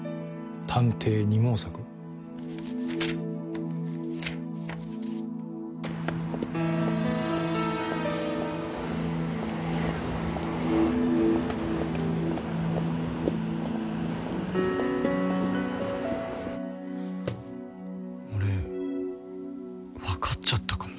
『探偵二毛作』俺分かっちゃったかも。